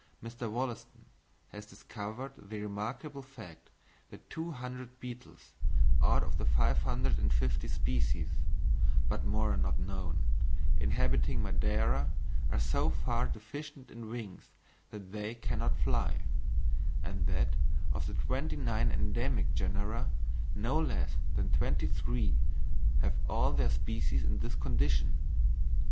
Mr. Wollaston has discovered the remarkable fact that 200 beetles, out of the 550 species (but more are now known) inhabiting Madeira, are so far deficient in wings that they cannot fly; and that, of the twenty nine endemic genera, no less than twenty three have all their species in this condition!